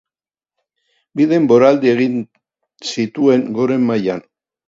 Bi denboraldi egin zituen goren mailan.